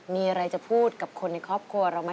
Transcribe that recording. มีอะไรจะพูดกับคนในครอบครัวเราไหม